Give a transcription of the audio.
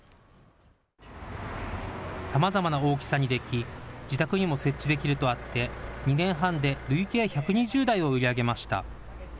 さまざまな大きさにでき自宅にも設置できるとあって２年半で累計１２０台を売り上げました。